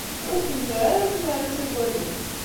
Ur ken-terri ara tmara ad taggadem.